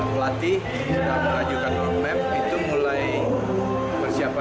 pelatih kita mengajukan roadmap itu mulai bersiapkan